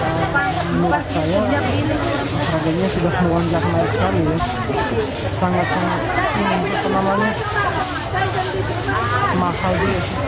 terus sejak mula saya harganya sudah menguangjak naik kami sangat sangat ini penamanya mahal